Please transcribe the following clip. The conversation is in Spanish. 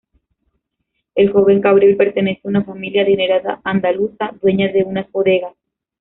El joven Gabriel pertenece a una familia adinerada andaluza, dueña de unas bodegas.